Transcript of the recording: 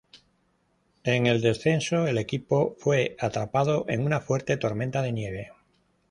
En el descenso, el equipo fue atrapado en una fuerte tormenta de nieve.